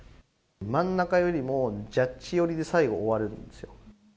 真ん中よりもジャッジ寄りで最後終わるんですよ。